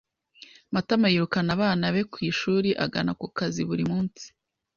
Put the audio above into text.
Matama yirukana abana be ku ishuri agana ku kazi buri munsi.